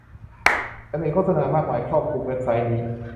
ฉันเห็นโฆษณามากมายครอบคลุมเว็บไซต์นี้